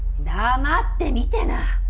黙って見てな。